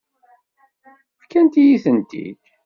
Fkant-iyi-tent-id.